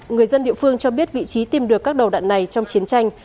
người dân địa phương cho biết vị trí tìm được các đầu đạn này trong chiến tranh